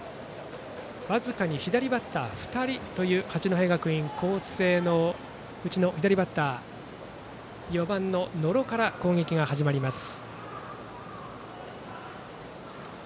僅かに左バッター２人という八戸学院光星の、その左バッター４番の野呂から攻撃が始まります。